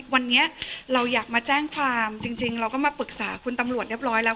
วันนี้เราอยากมาแจ้งความจริงเราก็มาปรึกษาคุณตำรวจเรียบร้อยแล้ว